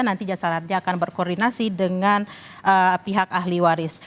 nanti jasara harja akan berkoordinasi dengan pihak ahli waris